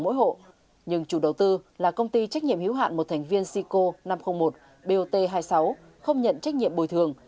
mỗi hộ nhưng chủ đầu tư là công ty trách nhiệm hiếu hạn một thành viên sico năm trăm linh một bot hai mươi sáu không nhận trách nhiệm bồi thường